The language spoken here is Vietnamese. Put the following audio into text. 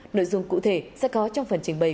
nội dung cụ thể sẽ có trong phần trình bày